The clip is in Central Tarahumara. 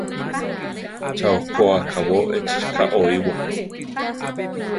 ¡Cha okó akábo échi rika oíwaa!